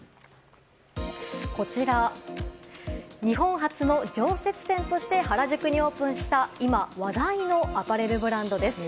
こちら日本初の常設店として原宿にオープンした今、話題のアパレルブランドです。